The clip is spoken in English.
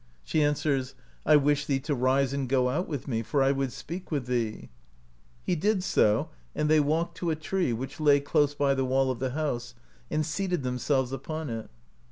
She answers: "I wish thee to rise, and go out with me, for I would speak with thee/' He did so, and they walked to a tree, which lay close by the wall of the house, and seated themselves upon it.